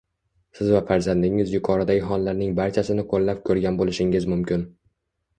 Siz va farzandingiz yuqoridagi hollarning barchasini qo‘llab ko‘rgan bo‘lishingiz mumkin.